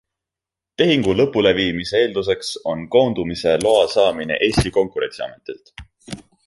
Tehingu lõpuleviimise eelduseks on koondumise loa saamine Eesti konkurentsiametilt.